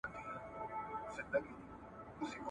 د خلګو په ژوند کي باید مثبت بدلونونه راسي.